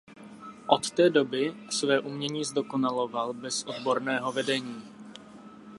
Od té doby své umění zdokonaloval bez odborného vedení.